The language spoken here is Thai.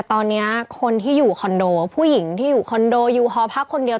ตอนนี้คนที่อยู่คอนโดผู้หญิงที่อยู่คอนโดอยู่หอพักคนเดียว